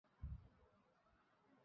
আর শোন, আজ অফিসে যাবারও দরকার নেই।